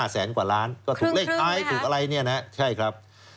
แสนกว่าล้านก็ถูกเลขท้ายถูกอะไรเนี่ยนะใช่ครับ